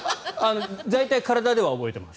大体、体では覚えています。